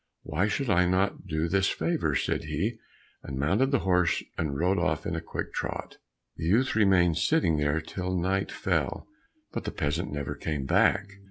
"Why should I not do you this favor?" said he, and mounted the horse and rode off in a quick trot. The youth remained sitting there till night fell, but the peasant never came back.